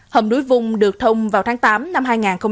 hầm núi vung được thông vào tháng tám năm hai nghìn hai mươi ba